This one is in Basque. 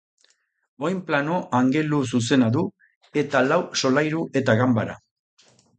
Oinplano angeluzuzena du, eta lau solairu eta ganbara.